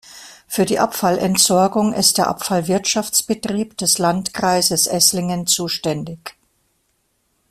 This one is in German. Für die Abfallentsorgung ist der Abfallwirtschaftsbetrieb des Landkreises Esslingen zuständig.